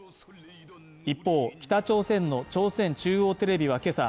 一方北朝鮮の朝鮮中央テレビはけさ